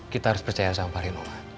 kita harus percaya sama pak reno